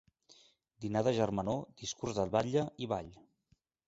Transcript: Dinar de germanor, discurs del batlle i ball.